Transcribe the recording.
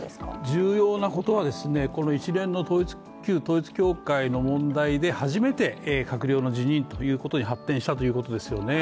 重要なことは、この一連の旧統一教会の問題で初めて閣僚の辞任ということに発展したということですよね。